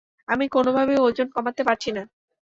আমি কোনোভাবেই ওজন কমাতে পারছি না।